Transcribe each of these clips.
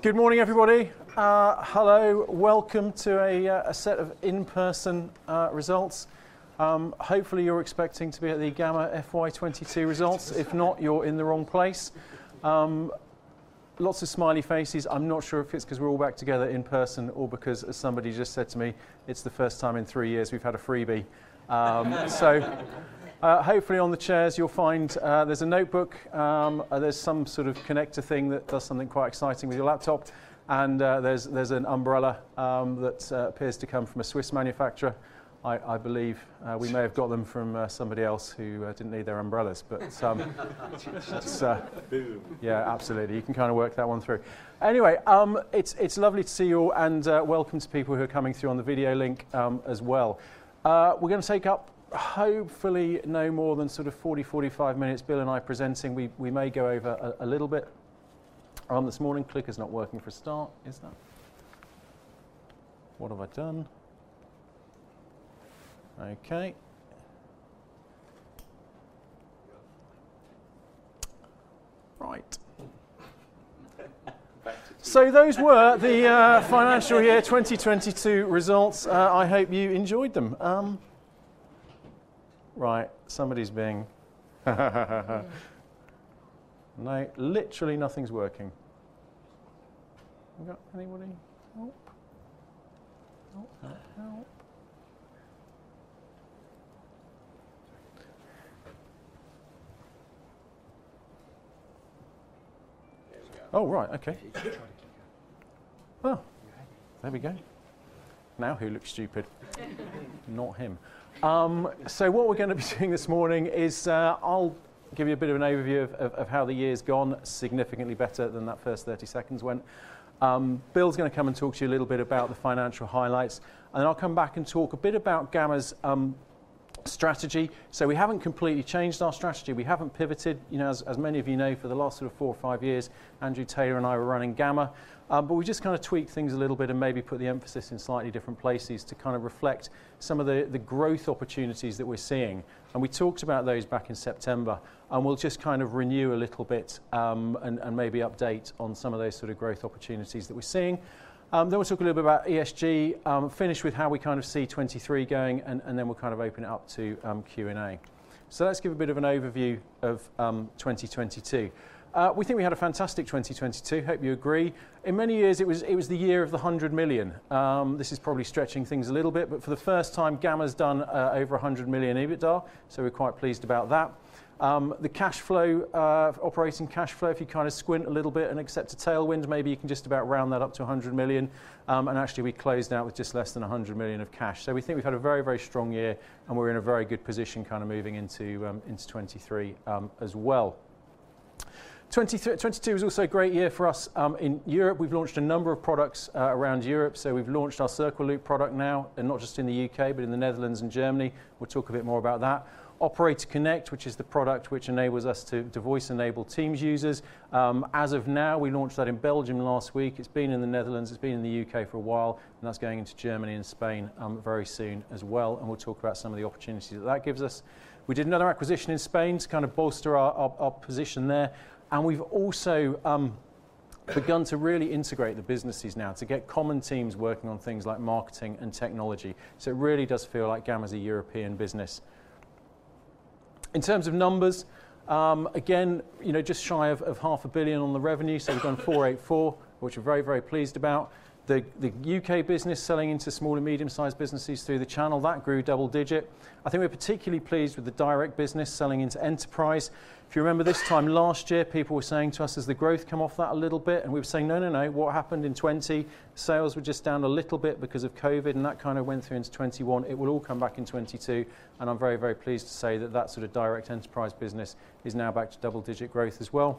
Good morning, everybody. Hello. Welcome to a set of in-person results. Hopefully you're expecting to be at the Gamma FY 2022 results. If not, you're in the wrong place. Lots of smiley faces. I'm not sure if it's 'cause we're all back together in person or because somebody just said to me it's the first time in three years we've had a freebie. Hopefully on the chairs you'll find there's a notebook, there's some sort of connector thing that does something quite exciting with your laptop, there's an umbrella that appears to come from a Swiss manufacturer. I believe we may have got them from somebody else who didn't need their umbrellas, but just. Boom. Yeah, absolutely. You can kinda work that one through. It's lovely to see you all, welcome to people who are coming through on the video link as well. gonna take up hopefully no more than sort of 40 to 45 minutes, Bill and I presenting. We may go over a little bit. This morning, clicker's not working for a start. Is that? What have I done? Okay. Right. Back to you. Those were the financial year 2022 results. I hope you enjoyed them. Right. No, literally nothing's working. We got anybody? Nope? Nope. Oh, hell. There we go. Oh, right. Okay. Keep trying to keep going. Oh, there we go. Now who looks stupid? Not him. What gonna be doing this morning is, I'll give you a bit of an overview of how the year's gone, significantly better than that first 30 seconds went. gonna come and talk to you a little bit about the financial highlights, and then I'll come back and talk a bit about Gamma's strategy. We haven't completely changed our strategy. We haven't pivoted. You know, as many of you know, for the last sort of four or five years, Andrew Taylor and I were running Gamma. We just kinda tweaked things a little bit and maybe put the emphasis in slightly different places to kind of reflect some of the growth opportunities that we're seeing, and we talked about those back in September. We'll just kind of renew a little bit and maybe update on some of those sort of growth opportunities that we're seeing. We'll talk a little bit about ESG. We'll finish with how we kind of see 2023 going. We'll kind of open it up to Q&A. Let's give a bit of an overview of 2022. We think we had a fantastic 2022. Hope you agree. In many years, it was the year of the 100 million. This is probably stretching things a little bit, but for the first time, Gamma's done over 100 million EBITDA. We're quite pleased about that. The cashflow, operating cashflow, if you kinda squint a little bit and accept a tailwind, maybe you can just about round that up to 100 million. Actually we closed out with just less than 100 million of cash. We think we've had a very, very strong year, and we're in a very good position kinda moving into 2023 as well. 2022 was also a great year for us in Europe. We've launched a number of products around Europe. We've launched our CircleLoop product now, and not just in the U.K., but in the Netherlands and Germany. We'll talk a bit more about that. Operator Connect, which is the product which enables us to voice-enable Teams users, as of now, we launched that in Belgium last week. It's been in the Netherlands, it's been in the U.K. for a while. That's going into Germany and Spain, very soon as well. We'll talk about some of the opportunities that that gives us. We did another acquisition in Spain to kind of bolster our position there. We've also, begun to really integrate the businesses now to get common teams working on things like marketing and technology. It really does feel like Gamma's a European business. In terms of numbers, again, you know, just shy of 500 million on the revenue, so we've gone 484 million, which we're very, very pleased about. The U.K. business selling into small and medium-sized businesses through the channel, that grew double digit. I think we're particularly pleased with the direct business selling into enterprise. If you remember this time last year, people were saying to us, "Has the growth come off that a little bit?" We were saying, "No, no. What happened in 2020, sales were just down a little bit because of COVID, and that kind of went through into 2021. It will all come back in 2022." I'm very, very pleased to say that that sort of direct enterprise business is now back to double-digit growth as well.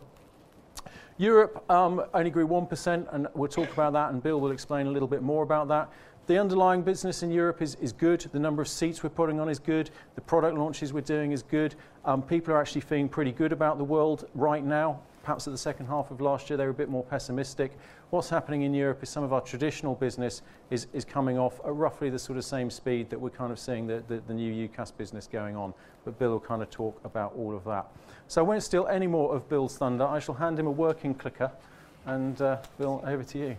Europe only grew 1%, and we'll talk about that, and Bill will explain a little bit more about that. The underlying business in Europe is good. The number of seats we're putting on is good. The product launches we're doing is good. People are actually feeling pretty good about the world right now. Perhaps in the second half of last year, they were a bit more pessimistic. What's happening in Europe is some of our traditional business is coming off at roughly the sorta same speed that we're kinda seeing the new UCaaS business going on. Bill will kinda talk about all of that. I won't steal any more of Bill's thunder. I shall hand him a working clicker and Bill, over to you.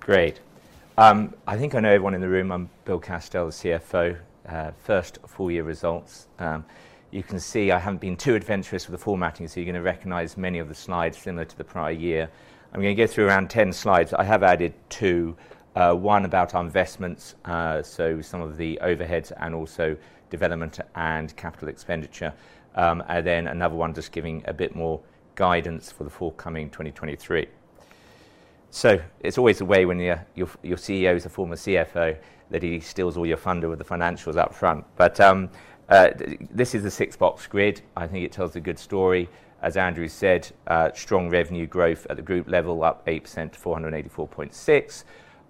Great. I think I know everyone in the room. I'm Bill Castell, the CFO. First full year results. You can see I haven't been too adventurous with the formatting. gonna recognize many of the slides similar to the prior year. gonna go through around 10 slides. I have added two. One about our investments, some of the overheads and also development and capital expenditure. Another one just giving a bit more guidance for the forthcoming 2023. It's always the way when your CEO is a former CFO that he steals all your thunder with the financials up front. This is a six-box grid. I think it tells a good story. As Andrew said, strong revenue growth at the group level, up 8% to 484.6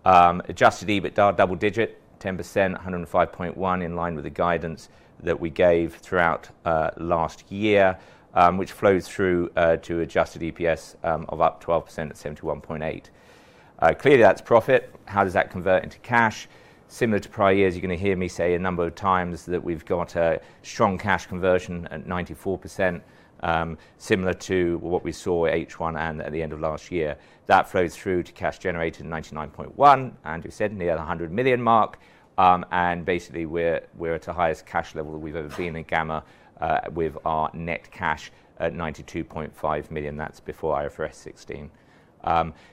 million. Adjusted EBITDA double digit, 10%, 105.1 million, in line with the guidance that we gave throughout last year, which flows through to adjusted EPS of up 12% at 0.718. Clearly that's profit. How does that convert into cash? Similar to prior years, gonna hear me say a number of times that we've got a strong cash conversion at 94%, similar to what we saw H1 and at the end of last year. That flows through to cash generated, 99.1 million, and we've said near the 100 million mark. Basically we're at the highest cash level we've ever been in Gamma, with our net cash at 92.5 million. That's before IFRS 16.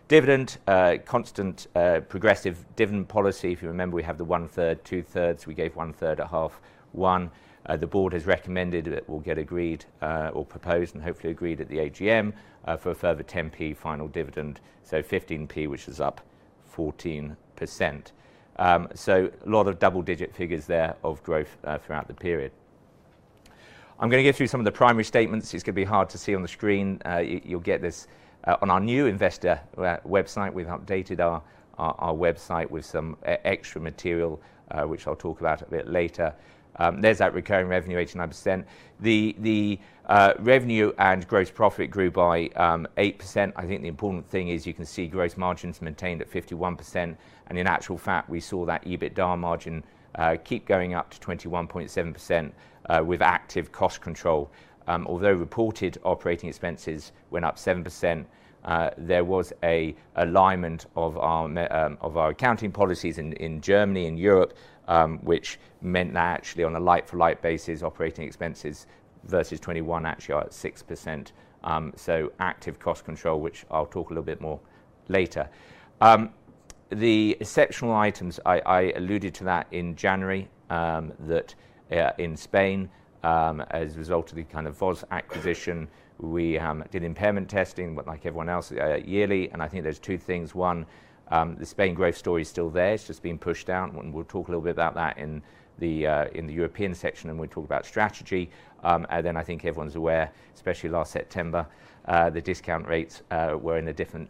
Dividend, constant, progressive dividend policy. If you remember, we have the one-third, two-thirds. We gave one-third at half one. The board has recommended that we'll get agreed, or proposed and hopefully agreed at the AGM, for a further 0.10 final dividend, so 0.15, which is up 14%. A lot of double-digit figures there of growth throughout the period. gonna get through some of the primary statements. gonna be hard to see on the screen. You, you'll get this on our new investor website. We've updated our website with some extra material, which I'll talk about a bit later. There's that recurring revenue, 89%. The revenue and gross profit grew by 8%. I think the important thing is you can see gross margins maintained at 51%, and in actual fact, we saw that EBITDA margin keep going up to 21.7% with active cost control. Although reported operating expenses went up 7%, there was a alignment of our accounting policies in Germany and Europe, which meant that actually on a like-for-like basis, operating expenses versus 2021 actually are at 6%. Active cost control, which I'll talk a little bit more later. The exceptional items, I alluded to that in January, that in Spain, as a result of the kind of VozTelecom acquisition, we did impairment testing, but like everyone else, yearly, and I think there's two things. One, the Spain growth story is still there. It's just been pushed out. We'll talk a little bit about that in the European section when we talk about strategy. I think everyone's aware, especially last September, the discount rates were in a different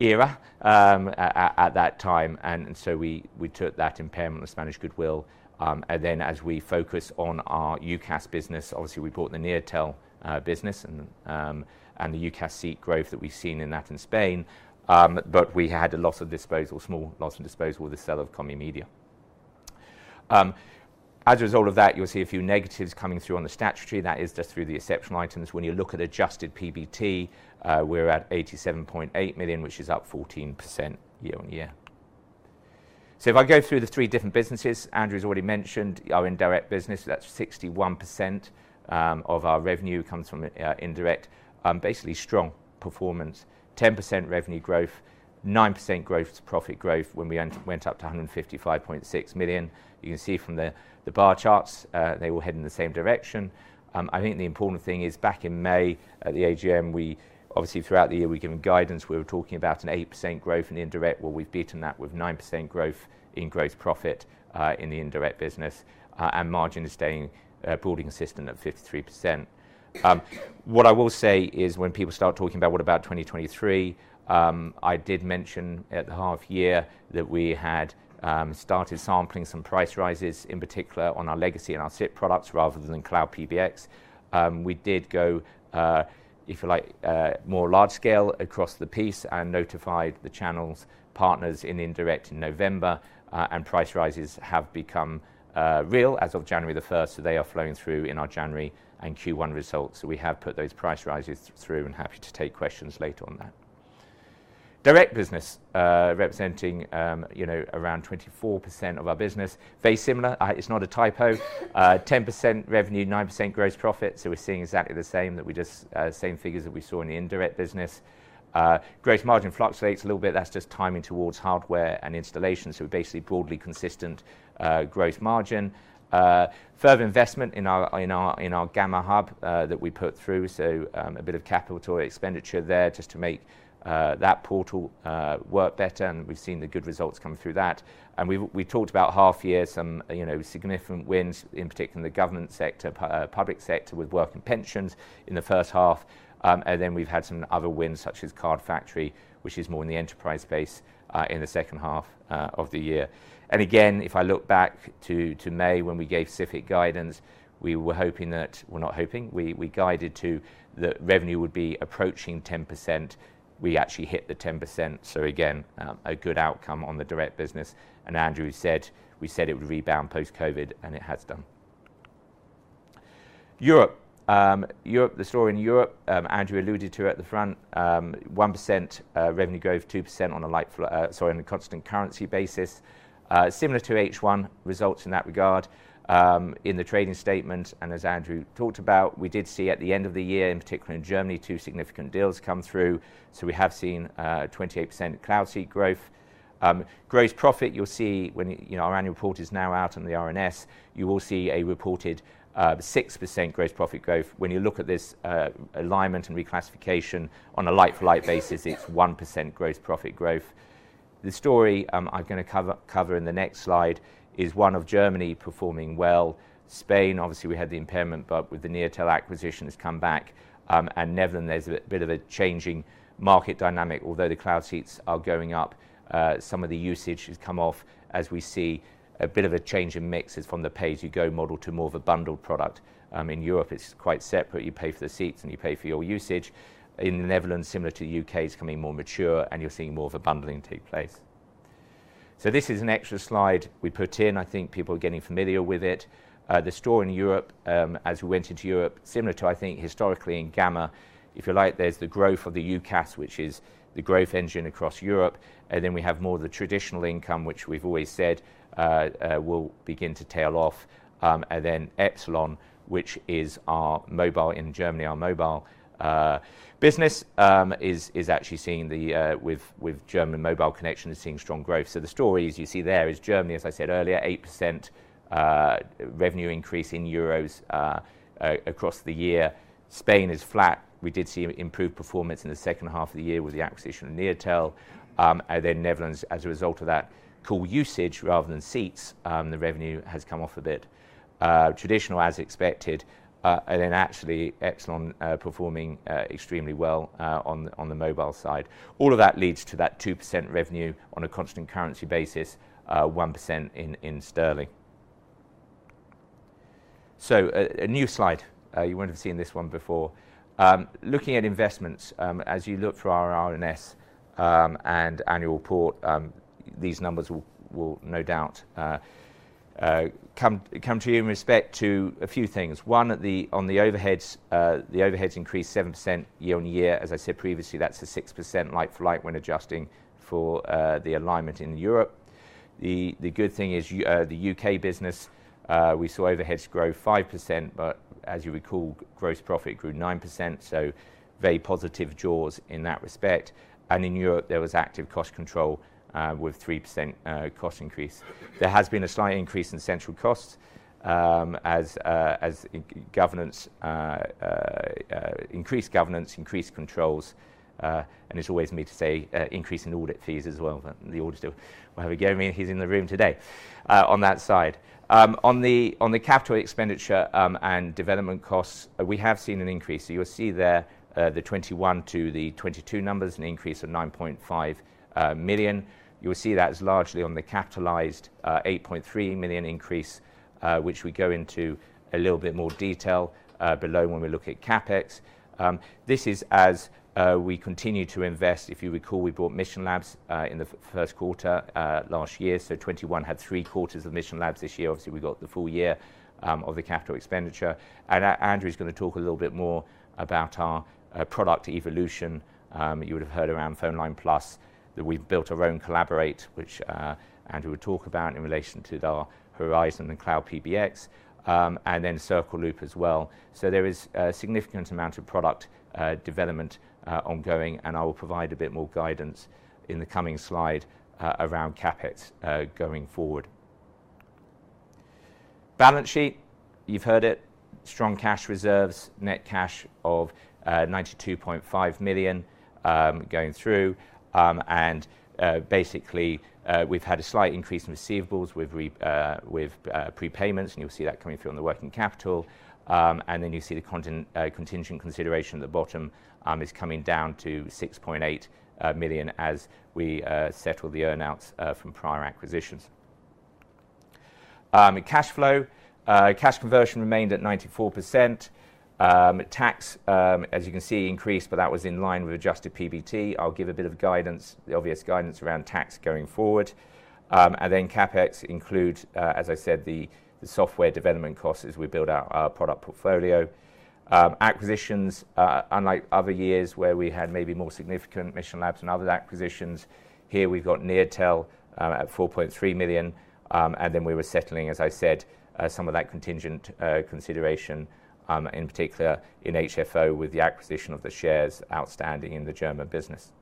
era at that time. We took that impairment of Spanish goodwill. As we focus on our UCaaS business, obviously we bought the NeoTel business and the UCaaS seat growth that we've seen in that in Spain. We had a loss of disposal, small loss of disposal with the sale of ComyMedia. As a result of that, you'll see a few negatives coming through on the statutory. That is just through the exceptional items. When you look at adjusted PBT, we're at 87.8 million, which is up 14% year-on-year. If I go through the three different businesses, Andrew's already mentioned our indirect business. That's 61% of our revenue comes from indirect. Basically strong performance. 10% revenue growth, 9% growth to profit growth when we went up to 155.6 million. You can see from the bar charts, they all head in the same direction. I think the important thing is back in May at the AGM, obviously throughout the year, we've given guidance. We were talking about an 8% growth in indirect. We've beaten that with 9% growth in gross profit in the indirect business, and margin is staying broadly consistent at 53%. What I will say is when people start talking about, what about 2023, I did mention at the half year that we had started sampling some price rises, in particular on our legacy and our SIP products rather than cloud PBX. We did go, if you like, a more large-scale across the piece and notified the channels partners in indirect in November, and price rises have become real as of January the 1st, so they are flowing through in our January and Q1 results. We have put those price rises through and happy to take questions later on that. Direct business, representing around 24% of our business. Very similar. It's not a typo. 10% revenue, 9% gross profit, so we're seeing exactly the same that we just same figures that we saw in the indirect business. Gross margin fluctuates a little bit. That's just timing towards hardware and installation, so basically broadly consistent growth margin. Further investment in our Gamma Hub that we put through, so a bit of CapEx there just to make that portal work better, and we've seen the good results come through that. We've, we talked about half year, some, you know, significant wins, in particular in the government sector, public sector with Work and Pensions in the first half. We've had some other wins, such as Card Factory, which is more in the enterprise space in the second half of the year. If I look back to May when we gave specific guidance, we guided to the revenue would be approaching 10%. We actually hit the 10%, again, a good outcome on the direct business. Andrew said, we said it would rebound post-COVID, and it has done. Europe. Europe, the story in Europe, Andrew alluded to at the front, 1% revenue growth, 2% on a constant currency basis. Similar to H1 results in that regard, in the trading statement. As Andrew talked about, we did see at the end of the year, in particular in Germany, two significant deals come through, we have seen 28% cloud seat growth. Gross profit, you'll see when, you know, our annual report is now out on the RNS, you will see a reported 6% gross profit growth. When you look at this alignment and reclassification on a like-for-like basis, it's 1% gross profit growth. The story gonna cover in the next slide is one of Germany performing well. Spain, obviously we had the impairment, but with the NeoTel acquisition has come back. Netherlands, there's a bit of a changing market dynamic. Although the cloud seats are going up, some of the usage has come off as we see a bit of a change in mixes from the pay-as-you-go model to more of a bundled product. In Europe, it's quite separate. You pay for the seats, and you pay for your usage. In the Netherlands, similar to the U.K., it's becoming more mature, and you're seeing more of a bundling take place. This is an extra slide we put in. I think people are getting familiar with it. The store in Europe, as we went into Europe, similar to historically in Gamma, if you like, there's the growth of the UCaaS, which is the growth engine across Europe. We have more of the traditional income, which we've always said, will begin to tail off. Epsilon, which is our mobile in Germany, our mobile business, is actually seeing with German mobile connection strong growth. The stories you see there is Germany, as I said earlier, 8% revenue increase in EUR across the year. Spain is flat. We did see improved performance in the second half of the year with the acquisition of NeoTel, and then Netherlands as a result of that call usage rather than seats, the revenue has come off a bit, traditional as expected, and then actually Epsilon performing extremely well on the mobile side. All of that leads to that 2% revenue on a constant currency basis, 1% in sterling. A new slide, you wouldn't have seen this one before. Looking at investments, as you look for our RNS and annual report, these numbers will no doubt come to you in respect to a few things. One, on the overheads, the overheads increased 7% year-over-year. As I said previously, that's a 6% like for like when adjusting for the alignment in Europe. The good thing is the U.K. business, we saw overheads grow 5%, but as you recall, gross profit grew 9%, very positive jaws in that respect. In Europe, there was active cost control with a 3% cost increase. There has been a slight increase in central costs as increased governance, increased controls, as always for me to say, increase in audit fees as well. The audits do. We have a guy, I mean, he's in the room today on that side. On the capital expenditure and development costs, we have seen an increase. You'll see there, the 2021 to 2022 numbers, an increase of 9.5 million. You will see that's largely on the capitalized 8.3 million increase, which we go into a little bit more detail below when we look at CapEx. This is as we continue to invest. If you recall, we bought Mission Labs in the first quarter last year. 2021 had three quarters of Mission Labs. This year, obviously, we've got the full year of the capital expenditure. Andrew gonna talk a little bit more about our product evolution. You would have heard around PhoneLine+ that we've built our own Collaborate, which Andrew will talk about in relation to our Horizon and Cloud PBX, and then CircleLoop as well. There is a significant amount of product development ongoing, and I will provide a bit more guidance in the coming slide around CapEx going forward. Balance sheet, you've heard it. Strong cash reserves, net cash of 92.5 million going through. Basically, we've had a slight increase in receivables with prepayments, and you'll see that coming through on the working capital. You see the contingent consideration at the bottom is coming down to 6.8 million as we settle the earn-outs from prior acquisitions. Cash flow. Cash conversion remained at 94%. Tax, as you can see, increased, but that was in line with adjusted PBT. I'll give a bit of guidance, the obvious guidance around tax going forward. CapEx includes, as I said, the software development costs as we build out our product portfolio. Acquisitions, unlike other years where we had maybe more significant Mission Labs and other acquisitions, here we've got NeoTel at 4.3 million. Then we were settling, as I said, some of that contingent consideration, in particular in HFO with the acquisition of the shares outstanding in the German business.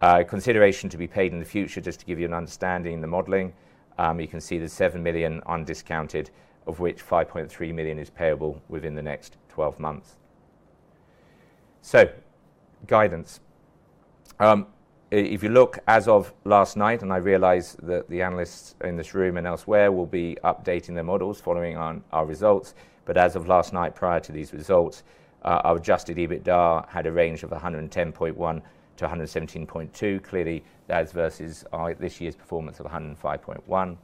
Consideration to be paid in the future, just to give you an understanding of the modeling, you can see the 7 million undiscounted of which 5.3 million is payable within the next 12 months. Guidance. If you look as of last night, and I realize that the analysts in this room and elsewhere will be updating their models following on our results, but as of last night prior to these results, our Adjusted EBITDA had a range of 110.1-117.2. That's versus this year's performance of 105.1.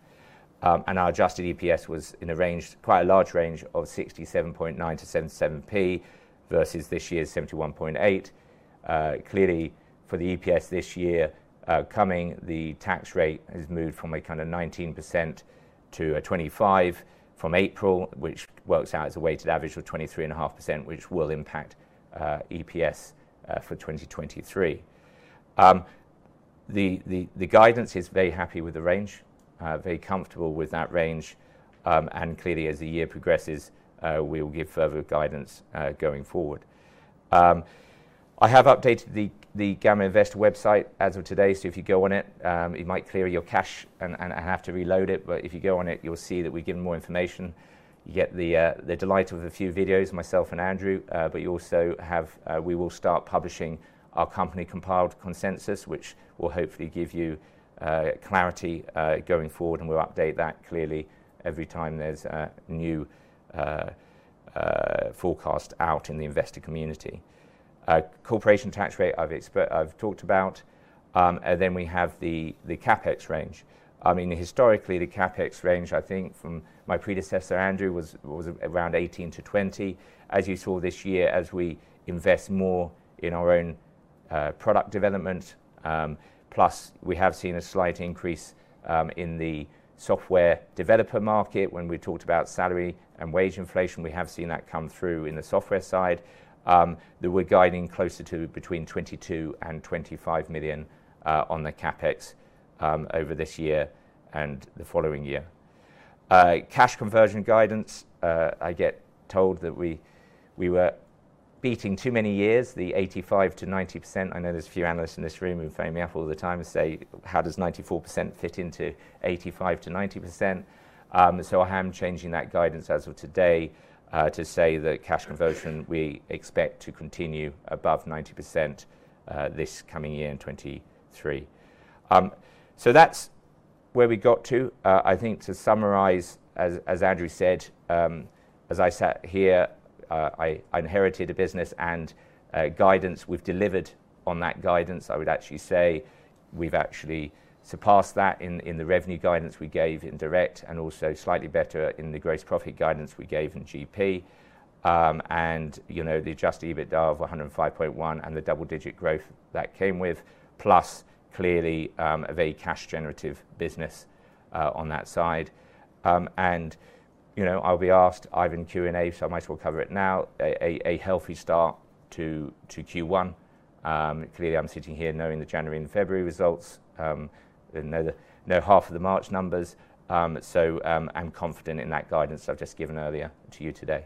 Our adjusted EPS was in a range, quite a large range of 0.679- 0.77 versus this year's 0.718. For the EPS this year, the tax rate has moved from 19% to 25% from April, which works out as a weighted average of 23.5%, which will impact EPS for 2023. The guidance is very happy with the range, very comfortable with that range. Clearly, as the year progresses, we will give further guidance going forward. I have updated the Gamma Investor website as of today. If you go on it might clear your cache and have to reload it. If you go on it, you'll see that we've given more information. You get the delight of a few videos, myself and Andrew. You also have, we will start publishing our company compiled consensus, which will hopefully give you clarity going forward. We'll update that clearly every time there's a new forecast out in the investor community. Corporation tax rate I've talked about. Then we have the CapEx range. I mean, historically, the CapEx range, I think from my predecessor, Andrew, was around 18 million-20 million. As you saw this year, as we invest more in our own product development, plus we have seen a slight increase in the software developer market. When we talked about salary and wage inflation, we have seen that come through in the software side, that we're guiding closer to between 22 million and 25 million on the CapEx over this year and the following year. Cash conversion guidance, I get told that we were beating too many years, the 85%-90%. I know there's a few analysts in this room who phone me up all the time and say, "How does 94% fit into 85%-90%?" I am changing that guidance as of today to say that cash conversion, we expect to continue above 90% this coming year in 2023. That's where we got to. I think to summarize, as Andrew said, as I sat here, I inherited a business and guidance. We've delivered on that guidance. I would actually say we've actually surpassed that in the revenue guidance we gave in direct and also slightly better in the gross profit guidance we gave in GP. You know, the Adjusted EBITDA of 105.1 and the double-digit growth that came with, plus clearly, a very cash generative business on that side. You know, I'll be asked either in Q&A, so I might as well cover it now, a healthy start to Q1. Clearly, I'm sitting here knowing the January and February results, and know half of the March numbers. I'm confident in that guidance I've just given earlier to you today.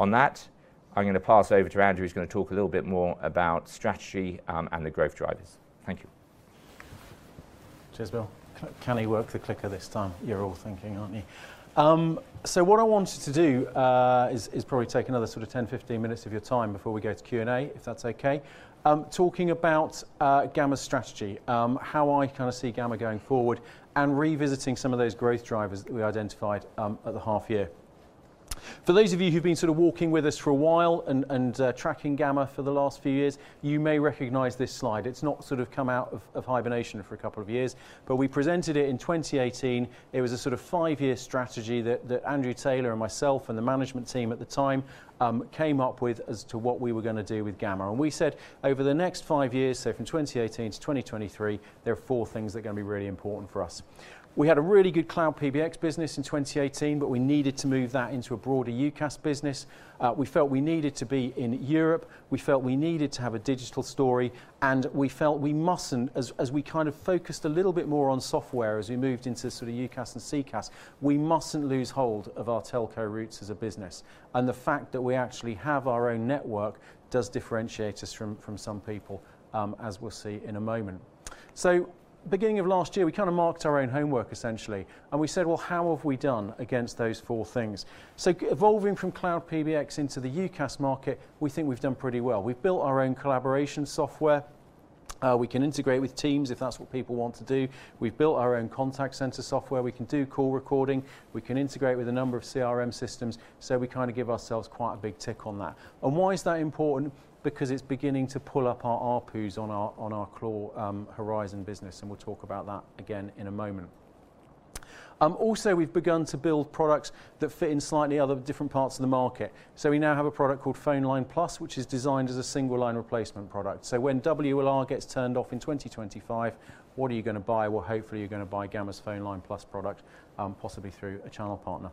On that, gonna pass over to Andrew, who's gonna talk a little bit more about strategy and the growth drivers. Thank you. Cheers, Bill. Can he work the clicker this time? You're all thinking, aren't you? What I wanted to do is probably take another sort of 10, 15 minutes of your time before we go to Q&A, if that's okay. Talking about Gamma's strategy, how I kinda see Gamma going forward and revisiting some of those growth drivers that we identified at the half year. For those of you who've been sort of walking with us for a while and tracking Gamma for the last few years, you may recognize this slide. It's not sort of come out of hibernation for a couple of years, but we presented it in 2018. It was a sort of five-year strategy that Andrew Taylor and myself and the management team at the time came up with as to what we gonna do with Gamma. Over the next five years, so from 2018 to 2023, there are four things that gonna be really important for us. We had a really good Cloud PBX business in 2018, we needed to move that into a broader UCaaS business. We felt we needed to be in Europe, we felt we needed to have a digital story, and we felt we mustn't, as we kind of focused a little bit more on software as we moved into sort of UCaaS and CCaaS, we mustn't lose hold of our telco roots as a business. The fact that we actually have our own network does differentiate us from some people, as we'll see in a moment. Beginning of last year, we kinda marked our own homework, essentially, and we said, "Well, how have we done against those four things?" Evolving from Cloud PBX into the UCaaS market, we think we've done pretty well. We've built our own collaboration software. We can integrate with Teams if that's what people want to do. We've built our own contact center software. We can do call recording. We can integrate with a number of CRM systems. We kinda give ourselves quite a big tick on that. Why is that important? Because it's beginning to pull up our ARPUs on our core Horizon business. We'll talk about that again in a moment. Also we've begun to build products that fit in slightly other different parts of the market. We now have a product called PhoneLine+, which is designed as a single line replacement product. When WLR gets turned off in 2025, what are gonna buy? Hopefully, gonna buy Gamma's PhoneLine+ product, possibly through a channel partner.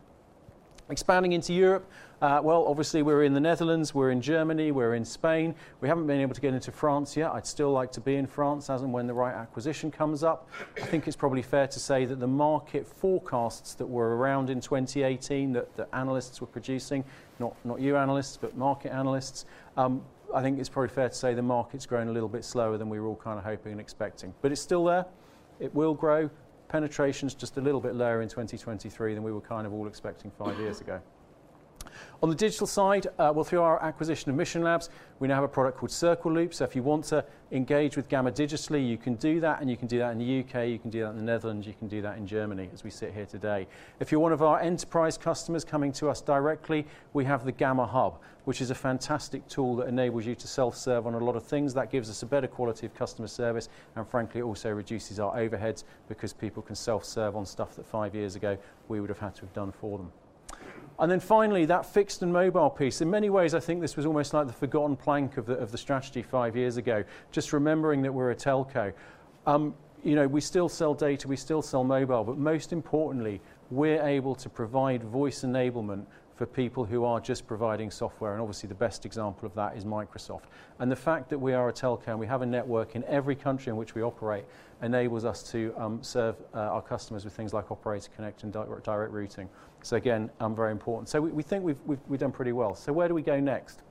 Expanding into Europe, obviously, we're in the Netherlands, we're in Germany, we're in Spain. We haven't been able to get into France yet. I'd still like to be in France as and when the right acquisition comes up. I think it's probably fair to say that the market forecasts that were around in 2018 that analysts were producing, not you analysts, but market analysts, I think it's probably fair to say the market's growing a little bit slower than we were all kinda hoping and expecting. It's still there. It will grow. Penetration's just a little bit lower in 2023 than we were kind of all expecting five years ago. On the digital side, well, through our acquisition of Mission Labs, we now have a product called CircleLoop. If you want to engage with Gamma digitally, you can do that, and you can do that in the U.K., you can do that in the Netherlands, you can do that in Germany as we sit here today. If you're one of our enterprise customers coming to us directly, we have the Gamma Hub, which is a fantastic tool that enables you to self-serve on a lot of things. That gives us a better quality of customer service and frankly, also reduces our overheads because people can self-serve on stuff that five years ago we would have had to have done for them. Finally, that fixed and mobile piece. In many ways, I think this was almost like the forgotten plank of the strategy five years ago, just remembering that we're a telco. you know, we still sell data, we still sell mobile, but most importantly, we're able to provide voice enablement for people who are just providing software, and obviously, the best example of that is Microsoft. The fact that we are a telco and we have a network in every country in which we operate enables us to serve our customers with things like Operator Connect and Direct Routing. Again, very important. We think we've done pretty well. Where do we go next?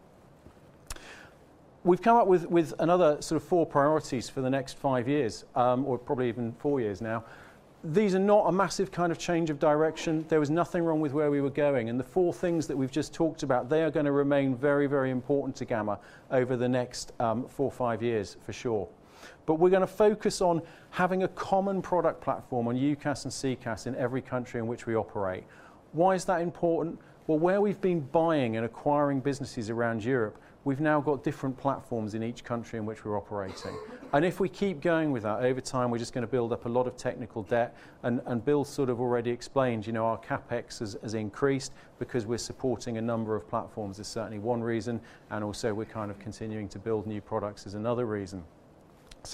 We've come up with another sort of four priorities for the next five years, or probably even four years now. These are not a massive kind of change of direction. There was nothing wrong with where we were going. The four things that we've just talked about, they gonna remain very, very important to Gamma over the next four or five years for sure. gonna focus on having a common product platform on UCaaS and CCaaS in every country in which we operate. Why is that important? Well, where we've been buying and acquiring businesses around Europe, we've now got different platforms in each country in which we're operating. If we keep going with that, over time, we're gonna build up a lot of technical debt, and Bill sort of already explained, you know, our CapEx has increased because we're supporting a number of platforms is certainly one reason, and also we're kind of continuing to build new products is another reason.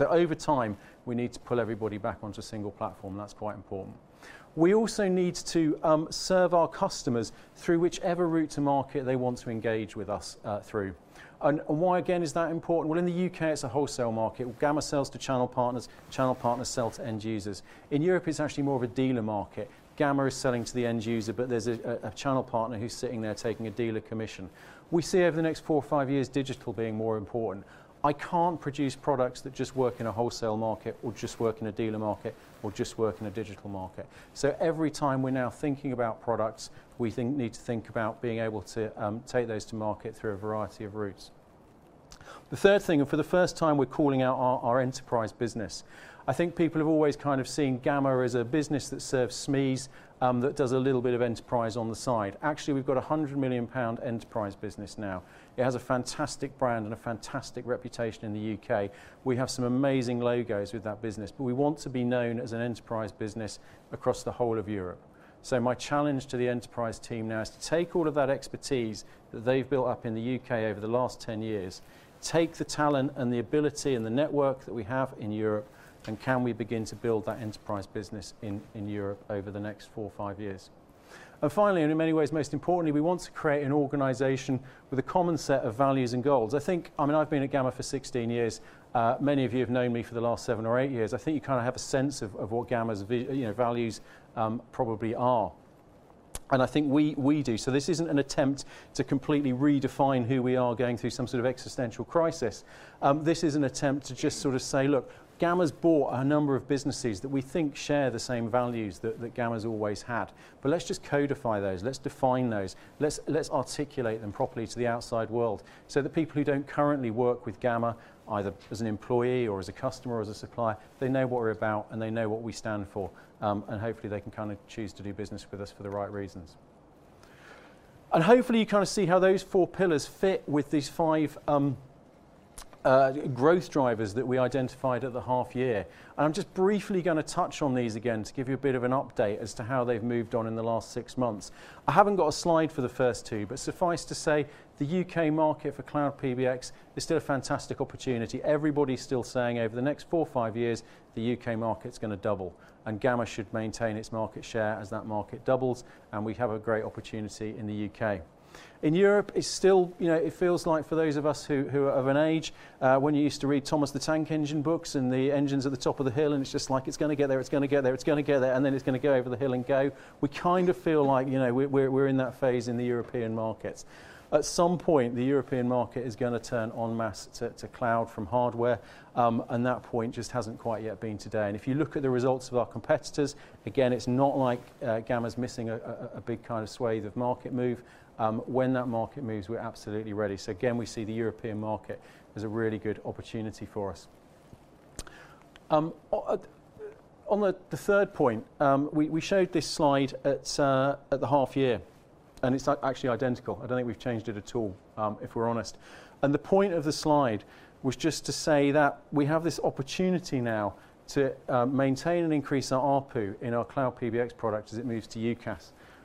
Over time, we need to pull everybody back onto a single platform. That's quite important. We also need to serve our customers through whichever route to market they want to engage with us through. Why again is that important? Well, in the U.K., it's a wholesale market. Gamma sells to channel partners, channel partners sell to end users. In Europe, it's actually more of a dealer market. Gamma is selling to the end user, there's a channel partner who's sitting there taking a dealer commission. We see over the next four or five years digital being more important. I can't produce products that just work in a wholesale market or just work in a dealer market or just work in a digital market. Every time we're now thinking about products, we need to think about being able to take those to market through a variety of routes. The third thing, for the first time, we're calling out our enterprise business. I think people have always kind of seen Gamma as a business that serves SMEs that does a little bit of enterprise on the side. Actually, we've got a 100 million pound enterprise business now. It has a fantastic brand and a fantastic reputation in the U.K. We have some amazing logos with that business. We want to be known as an enterprise business across the whole of Europe. My challenge to the enterprise team now is to take all of that expertise that they've built up in the U.K. over the last 10 years, take the talent and the ability and the network that we have in Europe, and can we begin to build that enterprise business in Europe over the next four or five years? Finally, and in many ways most importantly, we want to create an organization with a common set of values and goals. I mean, I've been at Gamma for 16 years. Many of you have known me for the last seven or eight years. I think you kind of have a sense of what Gamma's you know, values probably are. I think we do. This isn't an attempt to completely redefine who we are going through some sort of existential crisis. This is an attempt to just sort of say, "Look, Gamma's bought a number of businesses that we think share the same values that Gamma's always had." Let's just codify those. Let's define those. Let's articulate them properly to the outside world, so the people who don't currently work with Gamma, either as an employee or as a customer or as a supplier, they know what we're about and they know what we stand for, and hopefully they can kind of choose to do business with us for the right reasons. Hopefully you kind of see how those four pillars fit with these five growth drivers that we identified at the half year. I'm just gonna touch on these again to give you a bit of an update as to how they've moved on in the last six months. I haven't got a slide for the first two, but suffice to say the U.K. market for Cloud PBX is still a fantastic opportunity. Everybody's still saying over the next four or five years, the U.K. markets gonna double, and Gamma should maintain its market share as that market doubles, and we have a great opportunity in the U.K. In Europe, it's still... You know, it feels like for those of us who are of an age, when you used to read Thomas the Tank Engine books and the engine's at the top of the hill, and it's just like gonna get there, gonna get there, gonna get there, and then gonna go over the hill and go. We kind of feel like, you know, we're in that phase in the European markets. At some point, the European market gonna turn en masse to cloud from hardware, and that point just hasn't quite yet been today. If you look at the results of our competitors, again, it's not like, Gamma's missing a big kind of swath of market move. When that market moves, we're absolutely ready. Again, we see the European market as a really good opportunity for us. On the third point, we showed this slide at the half year, and it's actually identical. I don't think we've changed it at all, if we're honest. The point of the slide was just to say that we have this opportunity now to maintain and increase our ARPU in our Cloud PBX product as it moves to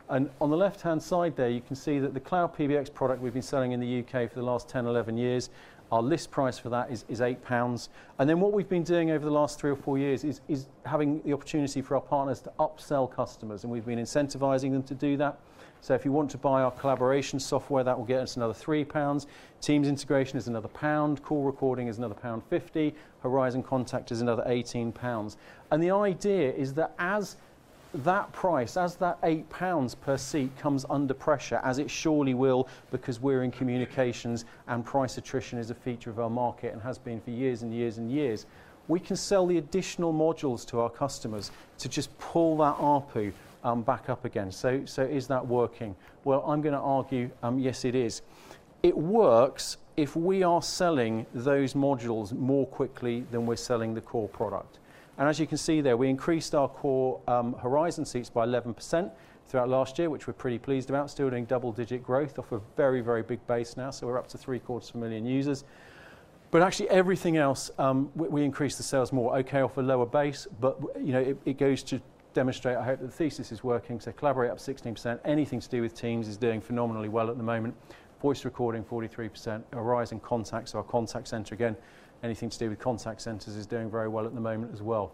UCaaS. On the left-hand side there, you can see that the Cloud PBX product we've been selling in the U.K. for the last 10, 11 years, our list price for that is 8 pounds. What we've been doing over the last three or four years is having the opportunity for our partners to upsell customers, and we've been incentivizing them to do that. If you want to buy our collaboration software, that will get us another 3 pounds. Teams integration is another GBP 1. Call recording is another pound 1.50. Horizon Contact is another 18 pounds. The idea is that as that price, as that 8 pounds per seat comes under pressure, as it surely will because we're in communications and price attrition is a feature of our market and has been for years and years and years, we can sell the additional modules to our customers to just pull that ARPU back up again. Is that working? Well, gonna argue, yes, it is. It works if we are selling those modules more quickly than we're selling the core product. As you can see there, we increased our core Horizon seats by 11% throughout last year, which we're pretty pleased about. Still doing double-digit growth off a very, very big base now. We're up to three-quarters of a million users. Actually everything else, we increased the sales more. Okay, off a lower base, but, you know, it goes to demonstrate, I hope, that the thesis is working. Collaborate up 16%. Anything to do with Teams is doing phenomenally well at the moment. Voice recording, 43%. Horizon Contact, so our contact center, again, anything to do with contact centers is doing very well at the moment as well.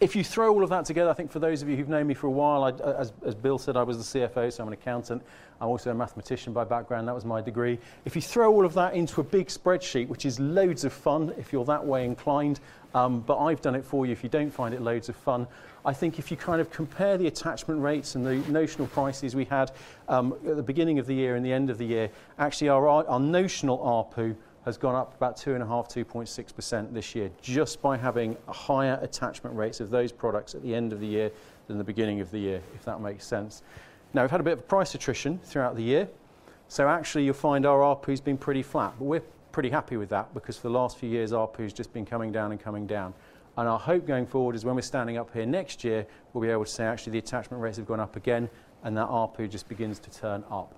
If you throw all of that together, I think for those of you who've known me for a while, As Bill said, I was the CFO, so I'm an accountant. I'm also a mathematician by background. That was my degree. If you throw all of that into a big spreadsheet, which is loads of fun if you're that way inclined, I've done it for you if you don't find it loads of fun. I think if you kind of compare the attachment rates and the notional prices we had at the beginning of the year and the end of the year, actually our notional ARPU has gone up about 2.5%, 2.6% this year just by having higher attachment rates of those products at the end of the year than the beginning of the year, if that makes sense. Now we've had a bit of price attrition throughout the year. Actually you'll find our ARPU's been pretty flat, we're pretty happy with that because for the last few years, ARPU's just been coming down and coming down. Our hope going forward is when we're standing up here next year, we'll be able to say, actually, the attachment rates have gone up again and that ARPU just begins to turn up.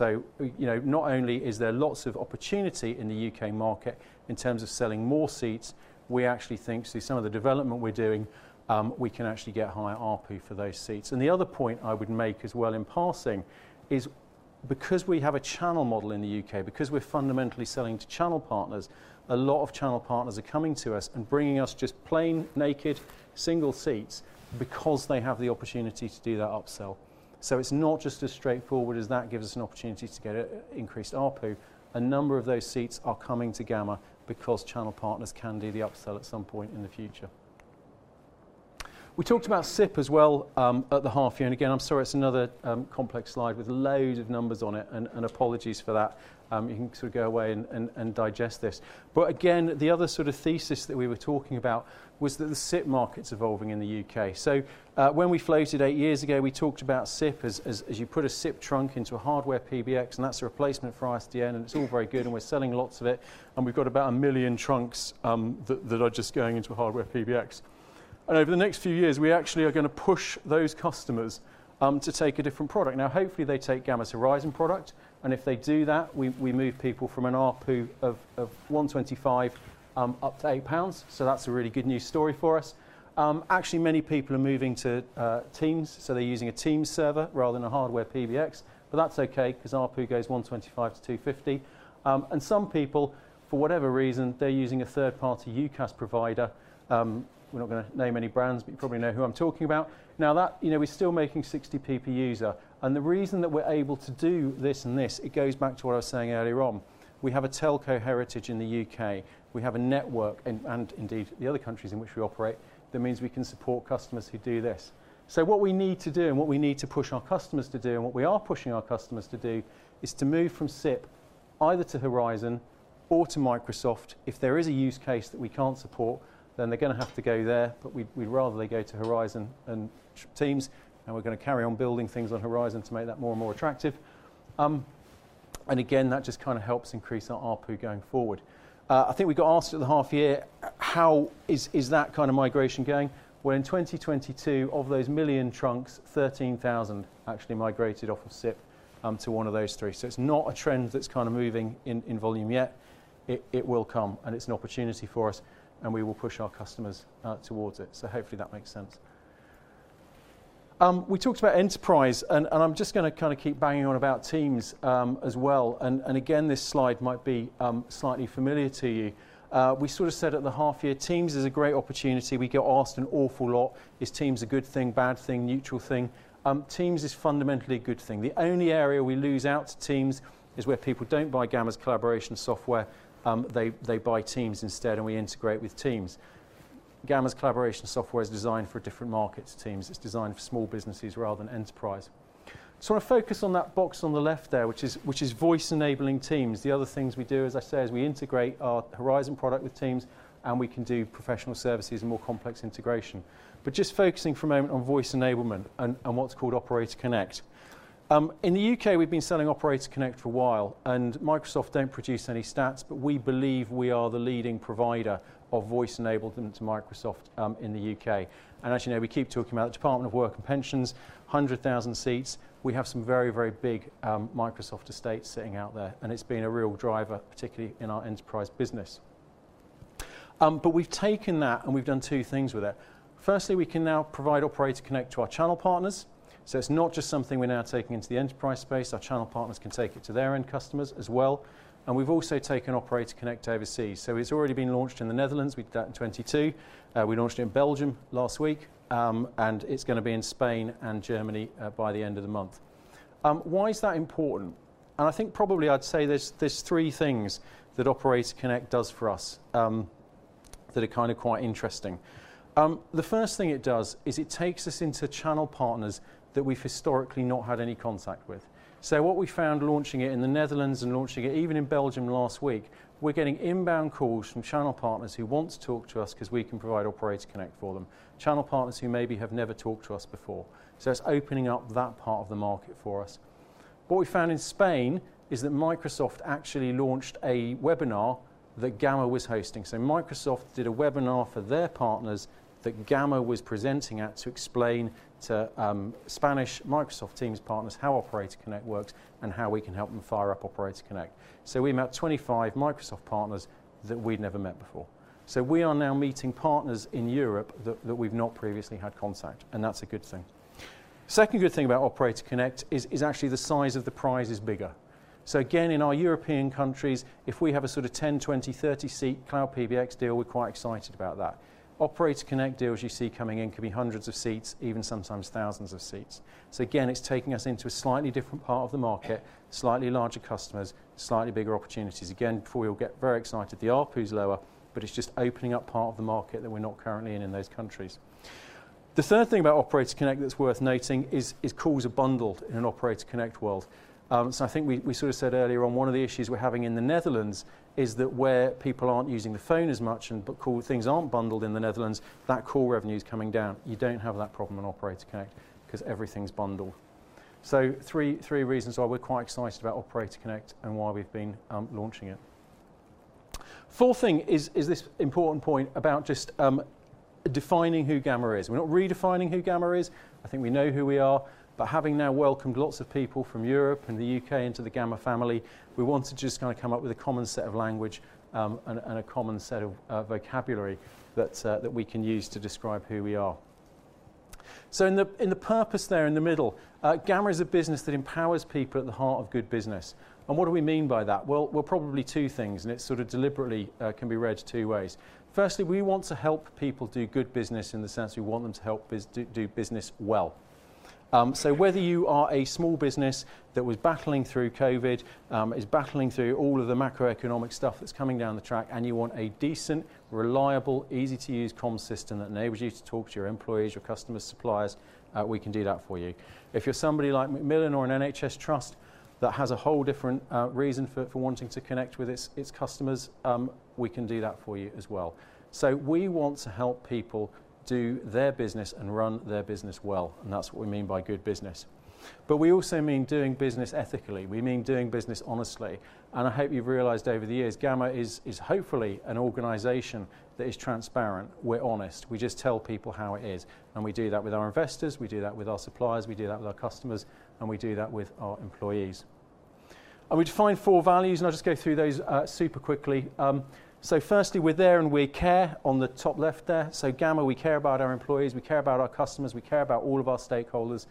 You know, not only is there lots of opportunity in the U.K. market in terms of selling more seats, we actually think through some of the development we're doing, we can actually get higher ARPU for those seats. The other point I would make as well in passing is because we have a channel model in the U.K., because we're fundamentally selling to channel partners, a lot of channel partners are coming to us and bringing us just plain, naked single seats because they have the opportunity to do that upsell. It's not just as straightforward as that gives us an opportunity to get an increased ARPU. A number of those seats are coming to Gamma because channel partners can do the upsell at some point in the future. We talked about SIP as well at the half year. Again, I'm sorry, it's another complex slide with loads of numbers on it and apologies for that. You can sort of go away and, and digest this. Again, the other sort of thesis that we were talking about was that the SIP market's evolving in the U.K. When we floated eight years ago, we talked about SIP as you put a SIP trunk into a hardware PBX, and that's a replacement for ISDN, and it's all very good, and we're selling lots of it, and we've got about 1 million trunks that are just going into a hardware PBX. Over the next few years, we actually gonna push those customers to take a different product. Hopefully, they take Gamma's Horizon product, and if they do that, we move people from an ARPU of 1.25 up to 8 pounds. That's a really good news story for us. Actually, many people are moving to Teams, so they're using a Teams server rather than a hardware PBX. That's okay because ARPU goes 1.25 to 2.50. Some people, for whatever reason, they're using a third-party UCaaS provider. We're gonna name any brands, but you probably know who I'm talking about. That, you know, we're still making 0.60 PP user, and the reason that we're able to do this, it goes back to what I was saying earlier on. We have a telco heritage in the U.K. We have a network and indeed the other countries in which we operate, that means we can support customers who do this. What we need to do, and what we need to push our customers to do, and what we are pushing our customers to do is to move from SIP either to Horizon or to Microsoft. If there is a use case that we can't support, then gonna have to go there. We'd rather they go to Horizon and Teams, and gonna carry on building things on Horizon to make that more and more attractive. Again, that just kind of helps increase our ARPU going forward. I think we got asked at the half year, how is that kind of migration going? In 2022, of those million trunks, 13,000 actually migrated off of SIP to one of those three. It's not a trend that's kind of moving in volume yet. It will come, and it's an opportunity for us, and we will push our customers towards it. Hopefully that makes sense. We talked about enterprise, and I'm gonna kind of keep banging on about Teams as well. Again, this slide might be slightly familiar to you. We sort of said at the half year, Teams is a great opportunity. We get asked an awful lot, is Teams a good thing, bad thing, neutral thing? Teams is fundamentally a good thing. The only area we lose out to Teams is where people don't buy Gamma's collaboration software. They buy Teams instead, and we integrate with Teams. Gamma's collaboration software is designed for a different market to Teams. It's designed for small businesses rather than enterprise. I wanna focus on that box on the left there, which is voice-enabling Teams. The other things we do, as I say, is we integrate our Horizon product with Teams, and we can do professional services and more complex integration. Just focusing for a moment on voice enablement and what's called Operator Connect. In the U.K., we've been selling Operator Connect for a while, and Microsoft don't produce any stats, but we believe we are the leading provider of voice enablement to Microsoft in the U.K. As you know, we keep talking about the Department for Work and Pensions, 100,000 seats. We have some very, very big Microsoft estates sitting out there, and it's been a real driver, particularly in our enterprise business. We've taken that, and we've done two things with it. Firstly, we can now provide Operator Connect to our channel partners. It's not just something we're now taking into the enterprise space. Our channel partners can take it to their end customers as well. We've also taken Operator Connect overseas. It's already been launched in the Netherlands. We did that in 2022. We launched it in Belgium last week. gonna be in Spain and Germany by the end of the month. Why is that important? I think probably I'd say there's three things that Operator Connect does for us that are kind of quite interesting. The first thing it does is it takes us into channel partners that we've historically not had any contact with. What we found launching it in the Netherlands and launching it even in Belgium last week, we're getting inbound calls from channel partners who want to talk to us because we can provide Operator Connect for them, channel partners who maybe have never talked to us before. It's opening up that part of the market for us. What we found in Spain is that Microsoft actually launched a webinar that Gamma was hosting. Microsoft did a webinar for their partners that Gamma was presenting at to explain to Spanish Microsoft Teams partners how Operator Connect works and how we can help them fire up Operator Connect. We met 25 Microsoft partners that we'd never met before. We are now meeting partners in Europe that we've not previously had contact, and that's a good thing. Second good thing about Operator Connect is actually the size of the prize is bigger. Again, in our European countries, if we have a sort of 10, 20, 30-seat Cloud PBX deal, we're quite excited about that. Operator Connect deals you see coming in can be hundreds of seats, even sometimes thousands of seats. Again, it's taking us into a slightly different part of the market, slightly larger customers, slightly bigger opportunities. Again, before you'll get very excited, the ARPU's lower, but it's just opening up part of the market that we're not currently in in those countries. The third thing about Operator Connect that's worth noting is calls are bundled in an Operator Connect world. I think we sort of said earlier on one of the issues we're having in the Netherlands is that where people aren't using the phone as much, things aren't bundled in the Netherlands, that call revenue is coming down. You don't have that problem in Operator Connect because everything's bundled. Three reasons why we're quite excited about Operator Connect and why we've been launching it. Fourth thing is this important point about just defining who Gamma is. We're not redefining who Gamma is. I think we know who we are, having now welcomed lots of people from Europe and the U.K. into the Gamma family, we want to just kinda come up with a common set of language and a common set of vocabulary that we can use to describe who we are. In the purpose there in the middle, Gamma is a business that empowers people at the heart of good business. What do we mean by that? Well, probably two things, and it sort of deliberately can be read two ways. Firstly, we want to help people do good business in the sense we want them to help do business well. Whether you are a small business that was battling through COVID, is battling through all of the macroeconomic stuff that's coming down the track, and you want a decent, reliable, easy-to-use comms system that enables you to talk to your employees, your customers, suppliers, we can do that for you. If you're somebody like Macmillan or an NHS trust that has a whole different reason for wanting to connect with its customers, we can do that for you as well. We want to help people do their business and run their business well, and that's what we mean by good business. We also mean doing business ethically. We mean doing business honestly. I hope you've realized over the years, Gamma is hopefully an organization that is transparent. We're honest. We just tell people how it is, and we do that with our investors, we do that with our suppliers, we do that with our customers, and we do that with our employees. We define four values, and I'll just go through those super quickly. Firstly, we're there and we care, on the top left there. Gamma, we care about our employees, we care about our customers, we care about all of our stakeholders.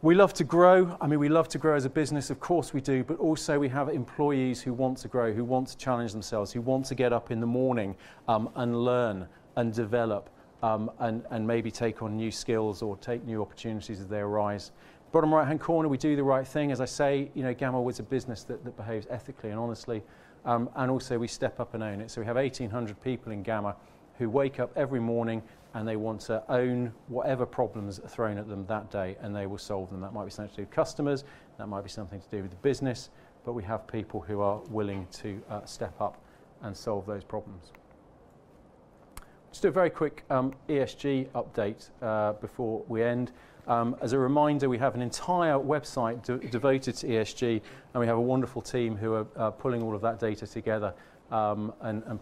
We love to grow. I mean, we love to grow as a business, of course we do, but also we have employees who want to grow, who want to challenge themselves, who want to get up in the morning, and learn and develop, and maybe take on new skills or take new opportunities as they arise. Bottom right-hand corner, we do the right thing. As I say, you know, Gamma is a business that behaves ethically and honestly. Also we step up and own it. We have 1,800 people in Gamma who wake up every morning, and they want to own whatever problems are thrown at them that day, and they will solve them. That might be something to do with customers, that might be something to do with the business, we have people who are willing to step up and solve those problems. Just a very quick ESG update before we end. As a reminder, we have an entire website devoted to ESG, and we have a wonderful team who are pulling all of that data together.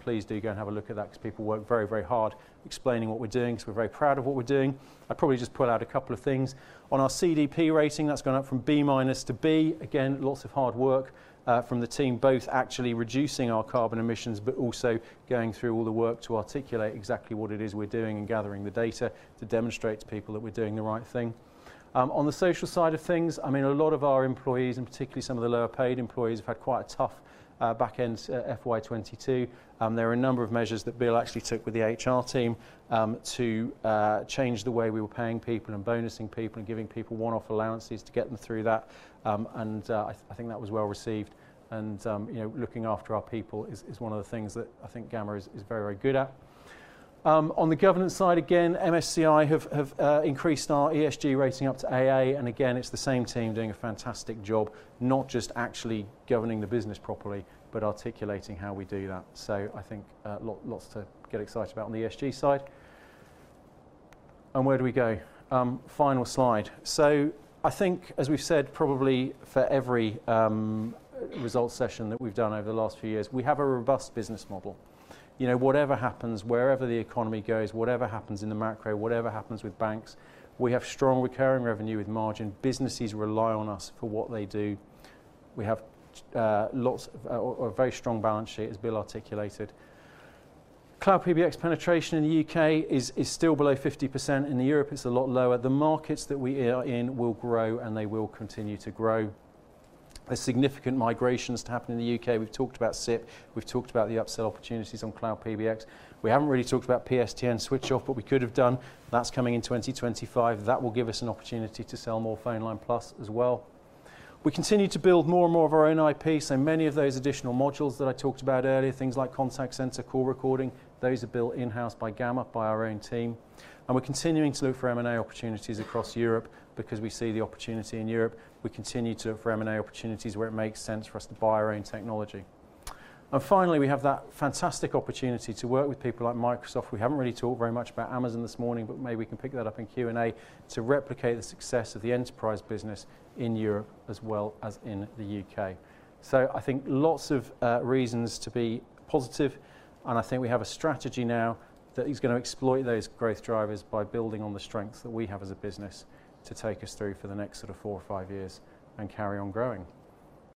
Please do go and have a look at that 'cause people work very, very hard explaining what we're doing, so we're very proud of what we're doing. I'll probably just pull out a couple of things. On our CDP rating, that's gone up from B-to B. Again, lots of hard work from the team, both actually reducing our carbon emissions, but also going through all the work to articulate exactly what it is we're doing and gathering the data to demonstrate to people that we're doing the right thing. On the social side of things, I mean, a lot of our employees, and particularly some of the lower-paid employees, have had quite a tough back-end to FY 2022. There are a number of measures that Bill actually took with the HR team to change the way we were paying people and bonusing people and giving people one-off allowances to get them through that. I think that was well-received. You know, looking after our people is one of the things that I think Gamma is very, very good at. On the governance side, again, MSCI have increased our ESG rating up to AA. Again, it's the same team doing a fantastic job, not just actually governing the business properly, but articulating how we do that. I think, lots to get excited about on the ESG side. Where do we go? Final slide. I think, as we've said, probably for every results session that we've done over the last few years, we have a robust business model. You know, whatever happens, wherever the economy goes, whatever happens in the macro, whatever happens with banks, we have strong recurring revenue with margin. Businesses rely on us for what they do. We have a very strong balance sheet, as Bill articulated. Cloud PBX penetration in the U.K. is still below 50%. In Europe, it's a lot lower. The markets that we are in will grow, they will continue to grow. There's significant migrations to happen in the U.K. We've talked about SIP. We've talked about the upsell opportunities on Cloud PBX. We haven't really talked about PSTN switch-off, we could have done. That's coming in 2025. That will give us an opportunity to sell more PhoneLine+ as well. We continue to build more and more of our own IP, many of those additional modules that I talked about earlier, things like contact center, call recording, those are built in-house by Gamma, by our own team. We're continuing to look for M&A opportunities across Europe because we see the opportunity in Europe. We continue to look for M&A opportunities where it makes sense for us to buy our own technology. Finally, we have that fantastic opportunity to work with people like Microsoft. We haven't really talked very much about Amazon this morning. Maybe we can pick that up in Q&A to replicate the success of the enterprise business in Europe as well as in the U.K. I think lots of reasons to be positive, and I think we have a strategy now that gonna exploit those growth drivers by building on the strengths that we have as a business to take us through for the next sort of four or five years and carry on growing.